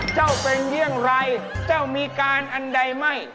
เจ้าเป็นเรื่องไรเจ้ามีการอันใดไม่